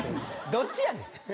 どっちやねん。